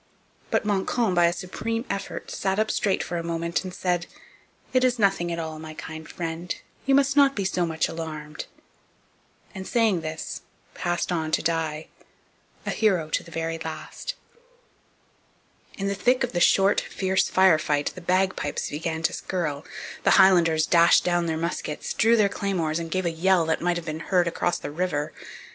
But Montcalm, by a supreme effort, sat up straight for a moment and said: 'It is nothing at all, my kind friend; you must not be so much alarmed!' and, saying this, passed on to die, a hero to the very last. In the thick of the short, fierce fire fight the bagpipes began to skirl, the Highlanders dashed down their muskets, drew their claymores, and gave a yell that might have been heard across the river.